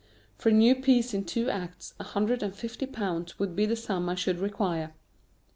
For a new piece in two acts, a hundred and fifty pounds would be the sum I should require.